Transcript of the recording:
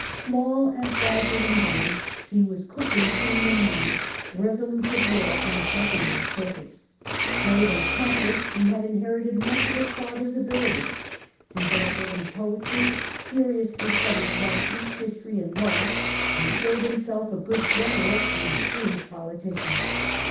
Small and fragile in body, he was quick and keen in mind, resolute of will and definite of purpose. Brave and accomplished, he had inherited much of his father's ability. He dabbled in poetry, seriously studied Latin, history, and law, and showed himself a good general and a shrewd politician.